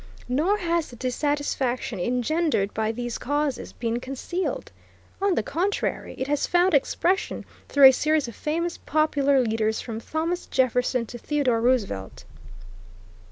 Nor has the dissatisfaction engendered by these causes been concealed. On the contrary, it has found expression through a series of famous popular leaders from Thomas Jefferson to Theodore Roosevelt.